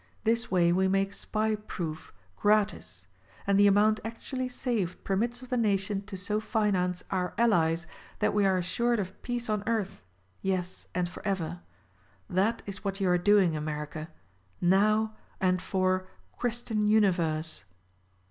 This way we make SPY proof, gratis ; and the amount actually saved permits of the nation to so finance OUR ALLIES that we are assured of peace on earth — yes, and forever. That is what you are doing, America ; now, and for — christian universe.